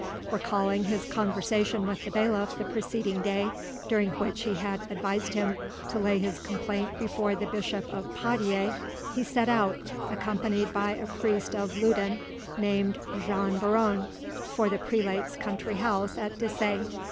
Recalling his conversation with the bailiff the preceding day, during which he had advised him to lay his complaint before the Bishop of Poitiers, he set out, accompanied by a priest of Loudun, named Jean Buron, for the prelate's country house at Dissay.